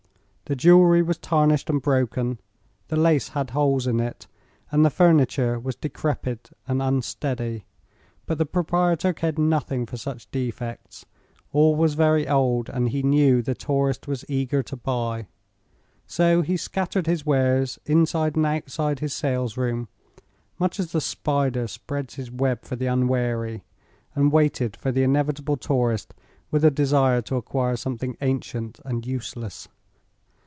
The jewelry was tarnished and broken, the lace had holes in it and the furniture was decrepit and unsteady; but the proprietor cared nothing for such defects. All was very old, and he knew the tourist was eager to buy. So he scattered his wares inside and outside his salesroom, much as the spider spreads his web for the unwary, and waited for the inevitable tourist with a desire to acquire something ancient and useless.